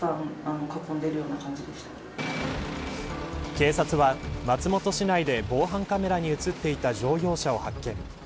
警察は松本市内で防犯カメラに映っていた乗用車を発見。